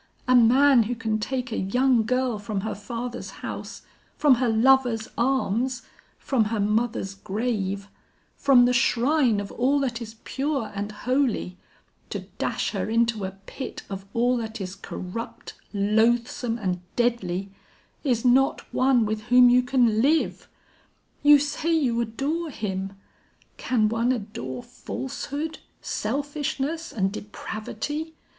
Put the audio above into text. A man who can take a young girl from her father's house, from her lover's arms, from her mother's grave, from the shrine of all that is pure and holy, to dash her into a pit of all that is corrupt, loathsome and deadly, is not one with whom you can live. You say you adore him: can one adore falsehood, selfishness and depravity?